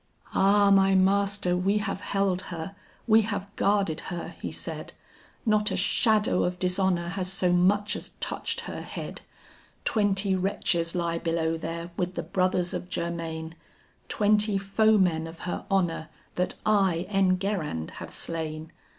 "Ah my master, we have held her, we have guarded her," he said, "Not a shadow of dishonor has so much as touched her head. Twenty wretches lie below there with the brothers of Germain, Twenty foemen of her honor that I, Enguerrand, have slain.